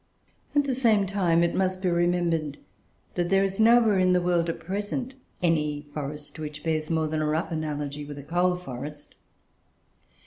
At the same time, it must be remembered, that there is nowhere in the world, at present, any forest which bears more than a rough analogy with a coal forest.